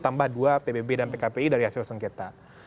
tambah dua pbb dan pkpi dari hasil sengketa